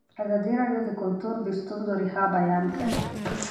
ازادي راډیو د کلتور د ستونزو رېښه بیان کړې.